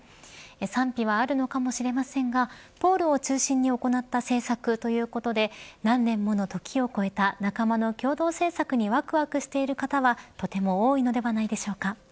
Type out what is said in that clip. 賛否はあるのかもしれませんがポールを中心に行った制作ということで何年もの時を超えた、仲間の共同制作にわくわくしている方はとても多いのではないでしょうか。